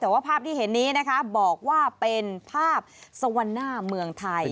แต่ว่าภาพที่เห็นนี้นะคะบอกว่าเป็นภาพสวรรณาเมืองไทย